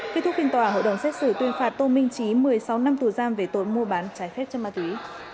kết thúc phiên tòa hội đồng xét xử tuyên phạt tô minh trí một mươi sáu năm tù giam về tội mua bán trái phép chất ma túy